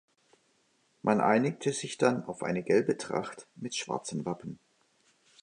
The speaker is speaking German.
Man einigte sich dann auf eine gelbe Tracht mit schwarzen Wappen.